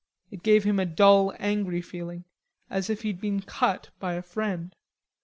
It gave him a dull angry feeling as if he'd been cut by a friend.